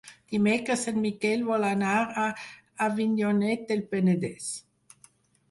Dimecres en Miquel vol anar a Avinyonet del Penedès.